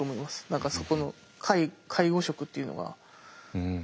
何かそこの介護職っていうのが。